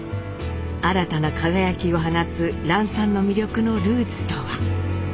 新たな輝きを放つ蘭さんの魅力のルーツとは？